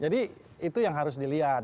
jadi itu yang harus dilihat